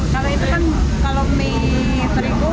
kalau itu kan kalau mie terigu